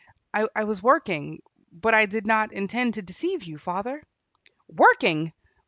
"I was working, but I did not intend to deceive you father." "Working!